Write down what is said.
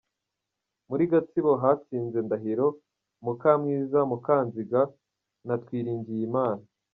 Muri Gatsibo hatsinze Ndahiro, Mukamwiza, Mukanziga, na Twiringiyimana.